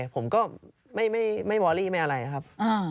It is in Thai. ผมก็ไม่บอรี่ไม่อะไรครับ